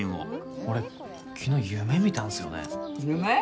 俺、昨日、夢みたんですよね。